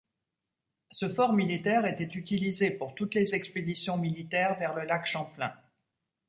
Ce fort militaire était utilisé pour toutes les expéditions militaires vers le lac Champlain.